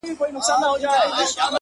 له دېوالونو یې رڼا پر ټوله ښار خپره ده؛